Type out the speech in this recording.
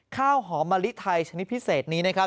ข้าวหอมมะลิไทยชนิดพิเศษนี้นะครับ